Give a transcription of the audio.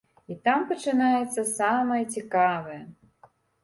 І там пачынаецца самае цікавае.